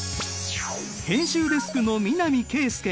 編集デスクの南圭介。